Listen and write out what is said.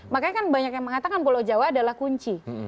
makanya kan banyak yang mengatakan pulau jawa adalah kunci